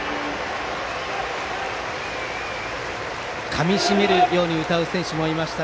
かみしめるように歌う選手もいました。